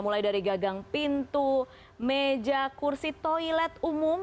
mulai dari gagang pintu meja kursi toilet umum